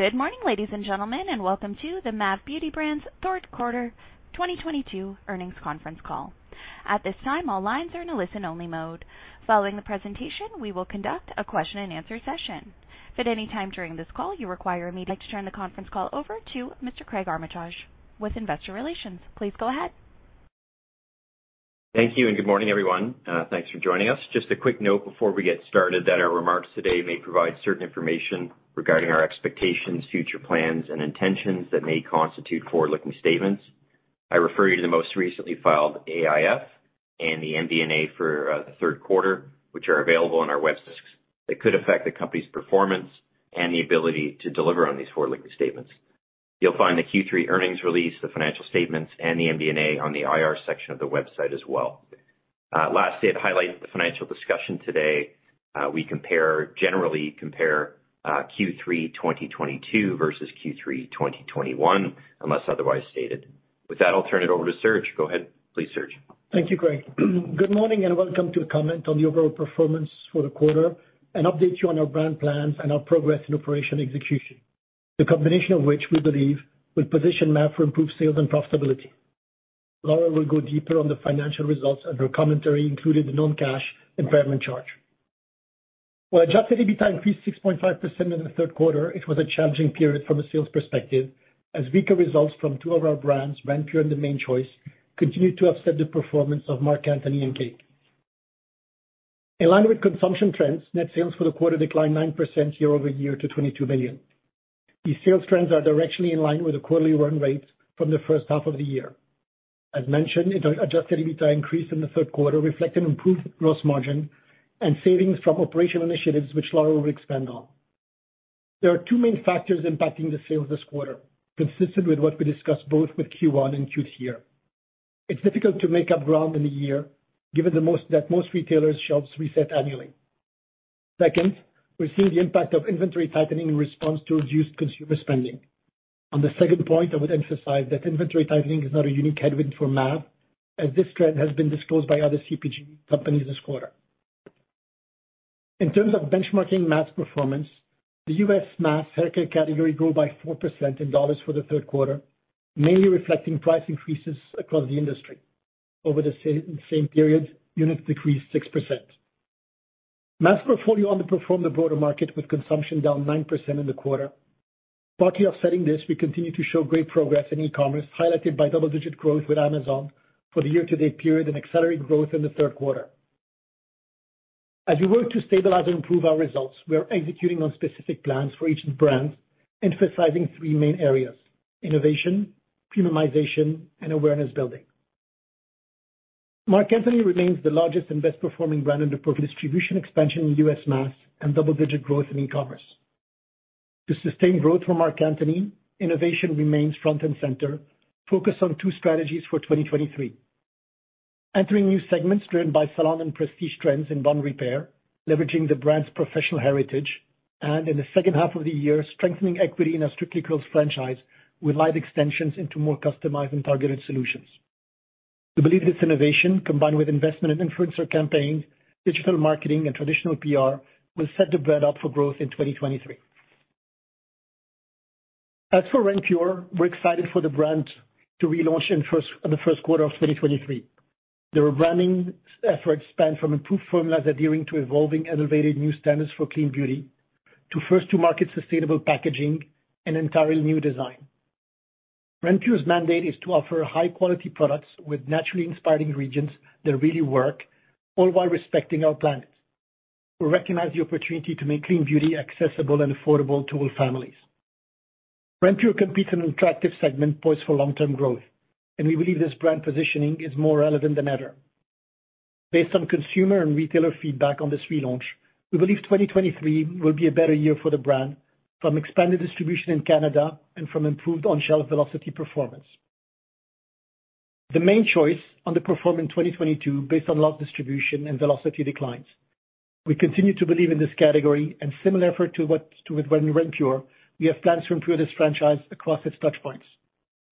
Good morning, ladies and gentlemen, and welcome to the MAV Beauty Brands third quarter 2022 earnings conference call. At this time, all lines are in a listen-only mode. Following the presentation, we will conduct a question-and-answer session. If at any time during this call you require. I'd like to turn the conference call over to Mr. Craig Armitage with investor relations. Please go ahead. Thank you and good morning, everyone. Thanks for joining us. Just a quick note before we get started that our remarks today may provide certain information regarding our expectations, future plans and intentions that may constitute forward-looking statements. I refer you to the most recently filed AIF and the MD&A for the third quarter, which are available on our website. They could affect the company's performance and the ability to deliver on these forward-looking statements. You'll find the Q3 earnings release, the financial statements and the MD&A on the IR section of the website as well. Lastly, I'd highlight the financial discussion today. We generally compare Q3 2022 versus Q3 2021, unless otherwise stated. With that, I'll turn it over to Serge. Go ahead, please, Serge. Thank you, Craig. Good morning and welcome to a comment on the overall performance for the quarter and update you on our brand plans and our progress in operation execution. The combination of which we believe will position MAV for improved sales and profitability. Laurel will go deeper on the financial results and her commentary, including the non-cash impairment charge. While Adjusted EBITDA increased 6.5% in the third quarter, it was a challenging period from a sales perspective, as weaker results from two of our brands, Renpure and The Mane Choice, continued to offset the performance of Marc Anthony and Cake. In line with consumption trends, net sales for the quarter declined 9% year-over-year to 22 million. These sales trends are directly in line with the quarterly run rates from the first half of the year. As mentioned, Adjusted EBITDA increased in the third quarter, reflecting improved gross margin and savings from operational initiatives, which Laurel will expand on. There are two main factors impacting the sales this quarter, consistent with what we discussed both with Q1 and Q2 year. It's difficult to make up ground in the year, given that most retailers' shelves reset annually. Second, we're seeing the impact of inventory tightening in response to reduced consumer spending. On the second point, I would emphasize that inventory tightening is not a unique headwind for MAV, as this trend has been disclosed by other CPG companies this quarter. In terms of benchmarking MAV's performance, the U.S. mass hair care category grew by 4% in dollars for the third quarter, mainly reflecting price increases across the industry. Over the same period, units decreased 6%. MAV's portfolio underperformed the broader market, with consumption down 9% in the quarter. Partly offsetting this, we continue to show great progress in e-commerce, highlighted by double-digit growth with Amazon for the year-to-date period and accelerated growth in the third quarter. As we work to stabilize and improve our results, we are executing on specific plans for each brand, emphasizing three main areas, innovation, premiumization, and awareness building. Marc Anthony remains the largest and best performing brand under pro distribution expansion in U.S. mass and double-digit growth in e-commerce. To sustain growth for Marc Anthony, innovation remains front and center, focused on two strategies for 2023. Entering new segments driven by salon and prestige trends in bond repair, leveraging the brand's professional heritage, and in the second half of the year, strengthening equity in a Strictly Curls growth franchise with line extensions into more customized and targeted solutions. We believe this innovation, combined with investment in influencer campaigns, digital marketing and traditional PR, will set the brand up for growth in 2023. As for Renpure, we're excited for the brand to relaunch in the first quarter of 2023. The rebranding efforts span from improved formulas adhering to evolving elevated new standards for clean beauty to first-to-market sustainable packaging and entirely new design. Renpure's mandate is to offer high quality products with naturally inspiring ingredients that really work, all while respecting our planet. We recognize the opportunity to make clean beauty accessible and affordable to all families. Renpure competes in an attractive segment poised for long-term growth, and we believe this brand positioning is more relevant than ever. Based on consumer and retailer feedback on this relaunch, we believe 2023 will be a better year for the brand from expanded distribution in Canada and from improved on-shelf velocity performance. The Mane Choice underperformed in 2022 based on low distribution and velocity declines. We continue to believe in this category and similar effort to what we did with Renpure, we have plans to improve this franchise across its touch points.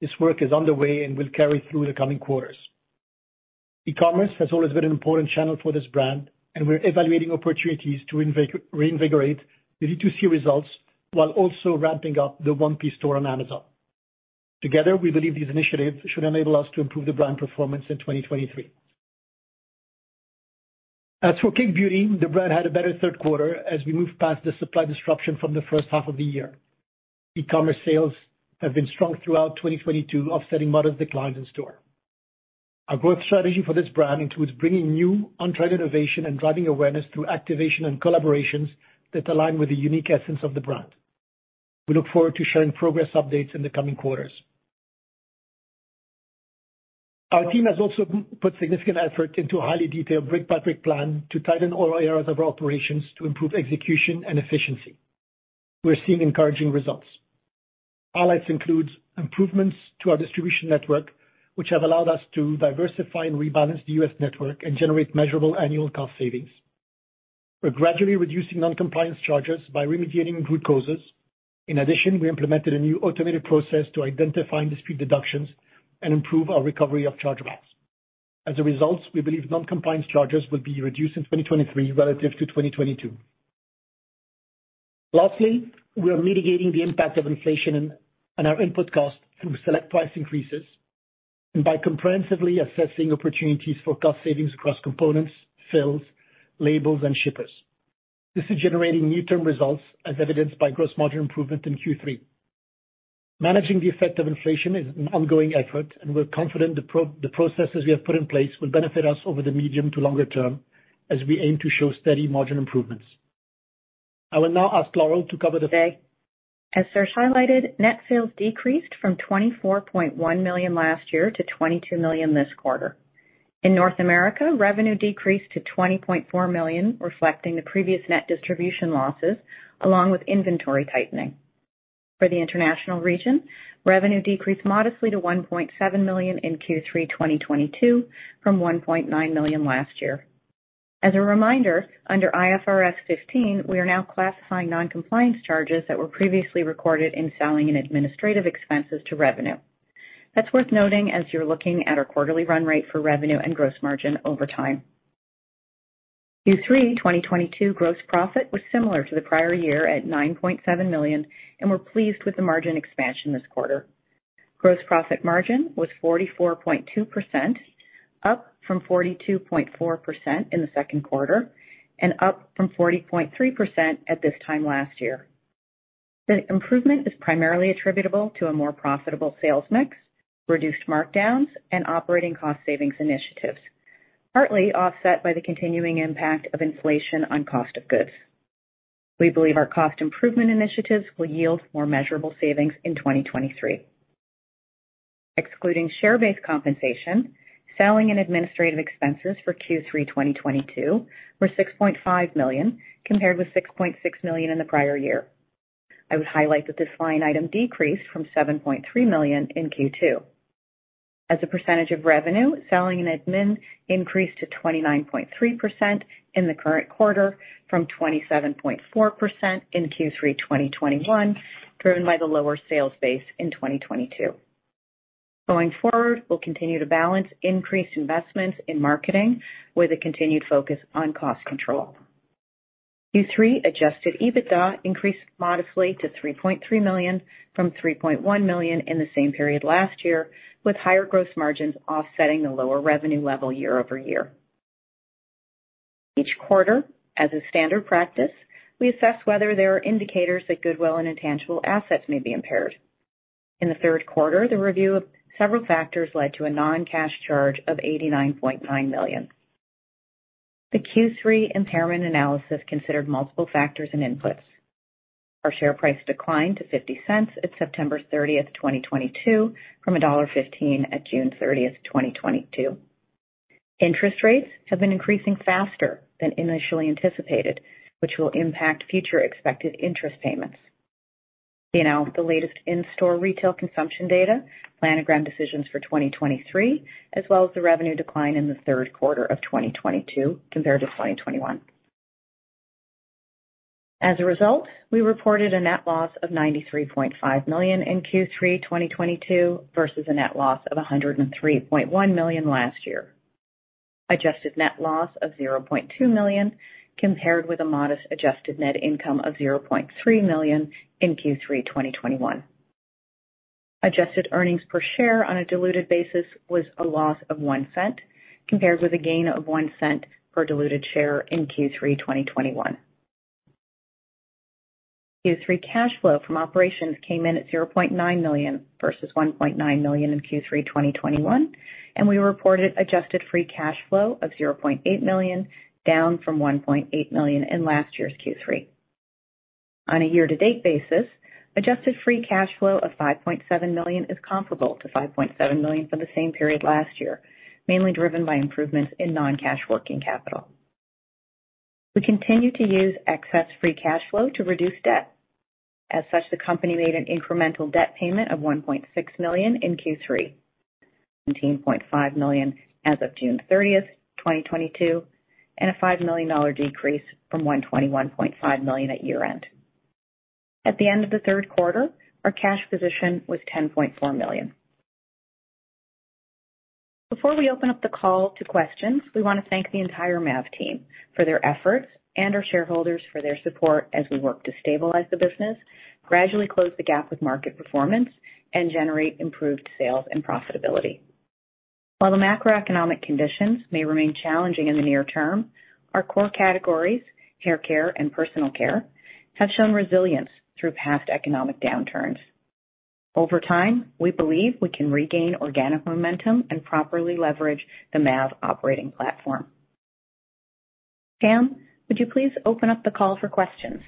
This work is underway and will carry through the coming quarters. E-commerce has always been an important channel for this brand, and we're evaluating opportunities to reinvigorate the D2C results while also ramping up the 1P store on Amazon. Together, we believe these initiatives should enable us to improve the brand performance in 2023. As for Cake Beauty, the brand had a better third quarter as we moved past the supply disruption from the first half of the year. E-commerce sales have been strong throughout 2022, offsetting modest declines in store. Our growth strategy for this brand includes bringing new untried innovation and driving awareness through activation and collaborations that align with the unique essence of the brand. We look forward to sharing progress updates in the coming quarters. Our team has also put significant effort into a highly detailed brick-by-brick plan to tighten all areas of our operations to improve execution and efficiency. We're seeing encouraging results. Highlights includes improvements to our distribution network, which have allowed us to diversify and rebalance the U.S. network and generate measurable annual cost savings. We're gradually reducing non-compliance charges by remediating root causes. In addition, we implemented a new automated process to identify and dispute deductions and improve our recovery of chargebacks. As a result, we believe non-compliance charges will be reduced in 2023 relative to 2022. Lastly, we are mitigating the impact of inflation and our input costs through select price increases and by comprehensively assessing opportunities for cost savings across components, fills, labels and shippers. This is generating near-term results as evidenced by gross margin improvement in Q3. Managing the effect of inflation is an ongoing effort, and we're confident the processes we have put in place will benefit us over the medium to longer term as we aim to show steady margin improvements. I will now ask Laurel to cover the. As Serge highlighted, net sales decreased from 24.1 million last year to 22 million this quarter. In North America, revenue decreased to 20.4 million, reflecting the previous net distribution losses along with inventory tightening. For the international region, revenue decreased modestly to 1.7 million in Q3 2022 from 1.9 million last year. As a reminder, under IFRS 15, we are now classifying non-compliance charges that were previously recorded in selling and administrative expenses to revenue. That's worth noting as you're looking at our quarterly run rate for revenue and gross margin over time. Q3 2022 gross profit was similar to the prior year at 9.7 million, and we're pleased with the margin expansion this quarter. Gross profit margin was 44.2%, up from 42.4% in the second quarter and up from 40.3% at this time last year. The improvement is primarily attributable to a more profitable sales mix, reduced markdowns, and operating cost savings initiatives, partly offset by the continuing impact of inflation on cost of goods. We believe our cost improvement initiatives will yield more measurable savings in 2023. Excluding share-based compensation, selling and administrative expenses for Q3 2022 were 6.5 million, compared with 6.6 million in the prior year. I would highlight that this line item decreased from 7.3 million in Q2. As a percentage of revenue, selling and admin increased to 29.3% in the current quarter from 27.4% in Q3 2021, driven by the lower sales base in 2022. Going forward, we'll continue to balance increased investments in marketing with a continued focus on cost control. three Adjusted EBITDA increased modestly to 3.3 million from 3.1 million in the same period last year, with higher gross margins offsetting the lower revenue level year-over-year. Each quarter, as a standard practice, we assess whether there are indicators that goodwill and intangible assets may be impaired. In the third quarter, the review of several factors led to a non-cash charge of 89.9 million. The Q3 impairment analysis considered multiple factors and inputs. Our share price declined to 0.50 at September thirtieth, 2022 from dollar 1.15 at June thirtieth, 2022. Interest rates have been increasing faster than initially anticipated, which will impact future expected interest payments. You know, the latest in-store retail consumption data, planogram decisions for 2023, as well as the revenue decline in the third quarter of 2022 compared to 2021. As a result, we reported a net loss of 93.5 million in Q3 2022 versus a net loss of 103.1 million last year. Adjusted net loss of 0.2 million compared with a modest adjusted net income of 0.3 million in Q3 2021. Adjusted earnings per share on a diluted basis was a loss of 0.01, compared with a gain of 0.01 per diluted share in Q3 2021. Q3 cash flow from operations came in at 0.9 million versus 1.9 million in Q3 2021, and we reported adjusted free cash flow of 0.8 million, down from 1.8 million in last year's Q3. On a year-to-date basis, adjusted free cash flow of 5.7 million is comparable to 5.7 million for the same period last year, mainly driven by improvements in non-cash working capital. We continue to use excess free cash flow to reduce debt. As such, the company made an incremental debt payment of 1.6 million in Q3. Seventeen point five million as of June 30, 2022, and a 5 million dollar decrease from 121.5 million at year-end. At the end of the third quarter, our cash position was 10.4 million. Before we open up the call to questions, we wanna thank the entire MAV team for their efforts and our shareholders for their support as we work to stabilize the business, gradually close the gap with market performance, and generate improved sales and profitability. While the macroeconomic conditions may remain challenging in the near term, our core categories, hair care and personal care, have shown resilience through past economic downturns. Over time, we believe we can regain organic momentum and properly leverage the MAV operating platform. Sam, would you please open up the call for questions?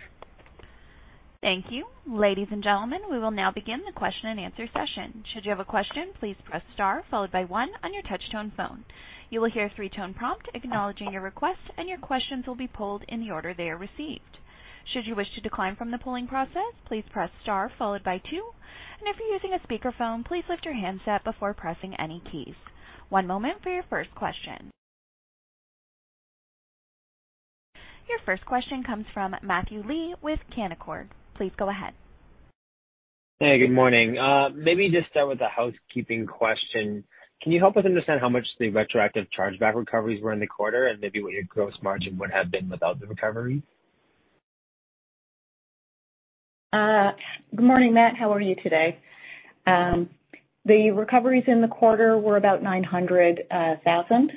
Thank you. Ladies and gentlemen, we will now begin the question-and-answer session. Should you have a question, please press star followed by one on your touch tone phone. You will hear a three-tone prompt acknowledging your request, and your questions will be pulled in the order they are received. Should you wish to decline from the polling process, please press star followed by two. If you're using a speakerphone, please lift your handset before pressing any keys. One moment for your first question. Your first question comes from Matthew Lee with Canaccord Genuity. Please go ahead. Hey, good morning. Maybe just start with a housekeeping question. Can you help us understand how much the retroactive chargeback recoveries were in the quarter and maybe what your gross margin would have been without the recovery? Good morning, Matt. How are you today? The recoveries in the quarter were about 900,000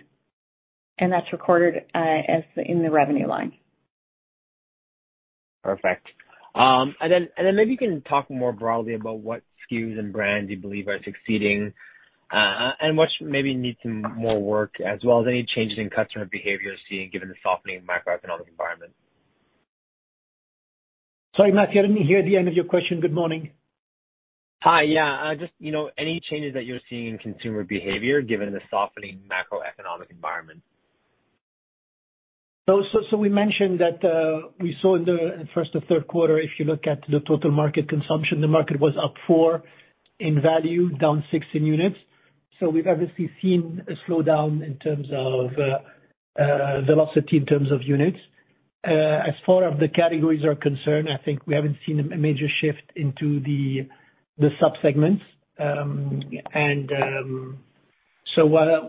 and that's recorded as in the revenue line. Perfect. Maybe you can talk more broadly about what SKUs and brands you believe are succeeding, and which maybe need some more work, as well as any changes in customer behavior you're seeing given the softening macroeconomic environment. Sorry, Matthew, I didn't hear the end of your question. Good morning. Hi. Yeah, just, you know, any changes that you're seeing in consumer behavior given the softening macroeconomic environment? We mentioned that we saw in the first to third quarter, if you look at the total market consumption, the market was up 4% in value, down 6% in units. We've obviously seen a slowdown in terms of velocity in terms of units. As far as the categories are concerned, I think we haven't seen a major shift into the sub-segments. While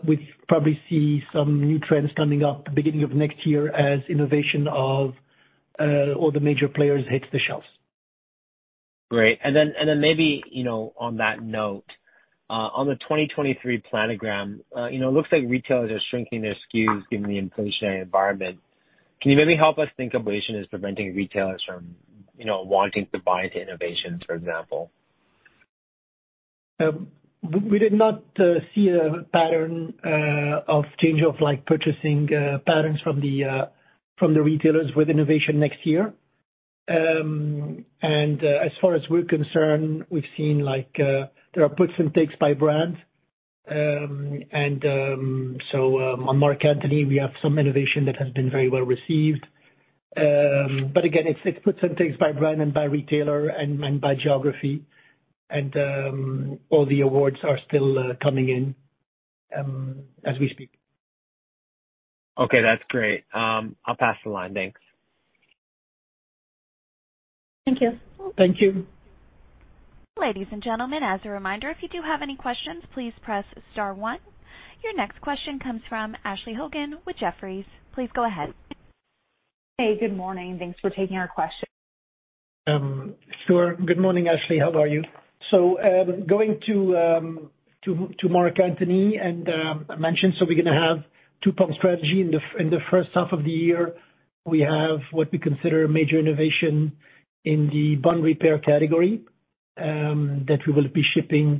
we probably see some new trends coming up beginning of next year as innovation of all the major players hits the shelves. Great. Then maybe, you know, on that note, on the 2023 planogram, you know, looks like retailers are shrinking their SKUs given the inflationary environment. Can you maybe help us think inflation is preventing retailers from, you know, wanting to buy into innovation, for example? We did not see a pattern of change of, like, purchasing patterns from the retailers with innovation next year. As far as we're concerned, we've seen, like, there are puts and takes by brand. On Marc Anthony, we have some innovation that has been very well received. Again, it's puts and takes by brand and by retailer and by geography. All the awards are still coming in as we speak. Okay, that's great. I'll pass the line. Thanks. Thank you. Ladies and gentlemen, as a reminder, if you do have any questions, please press star one. Your next question comes from Ashley Helgans with Jefferies. Please go ahead. Hey, good morning. Thanks for taking our question. Sure. Good morning, Ashley. How are you? Going to Marc Anthony and I mentioned, we're gonna have two-prong strategy in the first half of the year. We have what we consider major innovation in the bond repair category that we will be shipping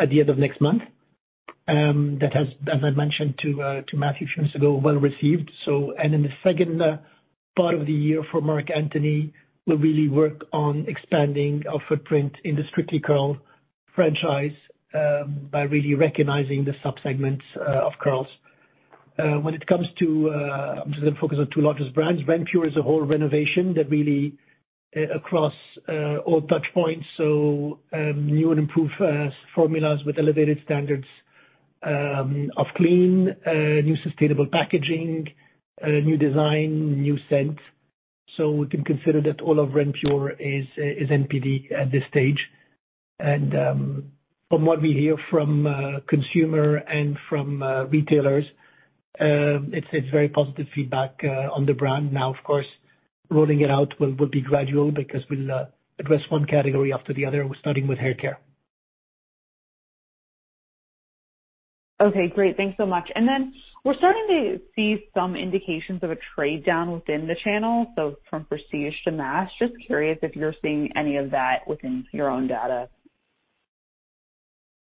at the end of next month. That has, as I mentioned to Matthew a few minutes ago, well received. In the second part of the year for Marc Anthony, we'll really work on expanding our footprint in the Strictly Curls franchise by really recognizing the sub-segments of curls. When it comes to, I'm just gonna focus on two largest brands. Renpure is a whole renovation that really, across all touch points. New and improved as formulas with elevated standards of clean, new sustainable packaging, new design, new scent. We can consider that all of Renpure is NPD at this stage. From what we hear from consumer and from retailers, it's very positive feedback on the brand. Now, of course, rolling it out will be gradual because we'll address one category after the other. We're starting with haircare. Okay, great. Thanks so much. We're starting to see some indications of a trade-down within the channel, so from prestige to mass. Just curious if you're seeing any of that within your own data.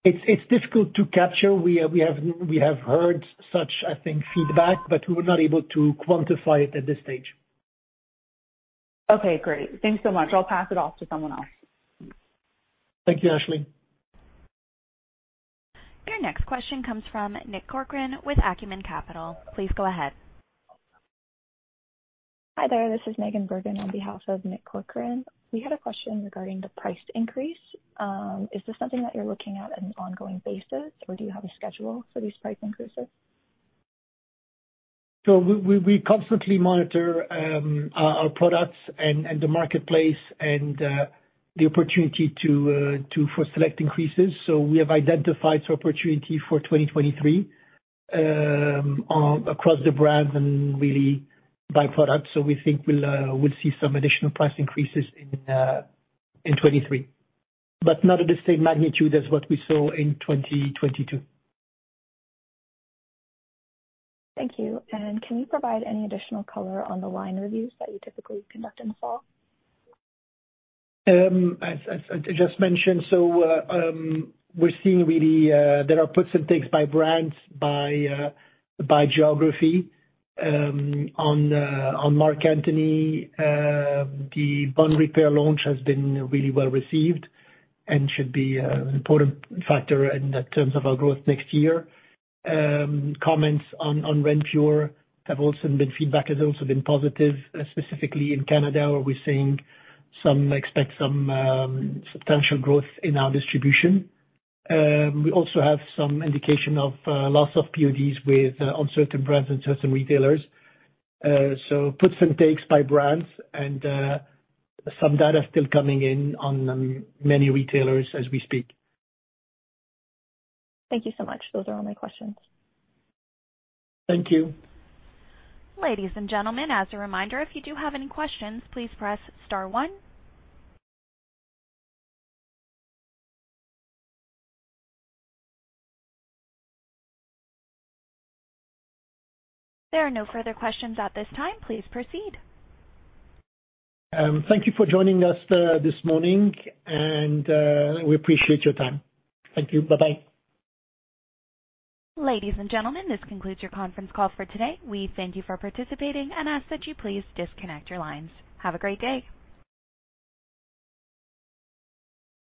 It's difficult to capture. We have heard such, I think, feedback, but we were not able to quantify it at this stage. Okay, great. Thanks so much. I'll pass it off to someone else. Thank you, Ashley. Your next question comes from Nick Corcoran with Acumen Capital. Please go ahead. Hi there. This is Megan Bergen on behalf of Nick Corcoran. We had a question regarding the price increase. Is this something that you're looking at on an ongoing basis, or do you have a schedule for these price increases? We constantly monitor our products and the marketplace and the opportunity for select increases. We have identified some opportunity for 2023 across the brands and really by product. We think we'll see some additional price increases in 2023, but not at the same magnitude as what we saw in 2022. Thank you. Can you provide any additional color on the line reviews that you typically conduct in the fall? As I just mentioned, we're seeing really there are puts and takes by brands, by geography. On Marc Anthony, the bond repair launch has been really well received and should be an important factor in terms of our growth next year. Feedback has also been positive, specifically in Canada, where we expect some substantial growth in our distribution. We also have some indication of loss of PODs with on certain brands and certain retailers. Puts and takes by brands and some data still coming in on many retailers as we speak. Thank you so much. Those are all my questions. Thank you. Ladies and gentlemen, as a reminder, if you do have any questions, please press star one. There are no further questions at this time. Please proceed. Thank you for joining us this morning and we appreciate your time. Thank you. Bye-bye. Ladies and gentlemen, this concludes your conference call for today. We thank you for participating and ask that you please disconnect your lines. Have a great day.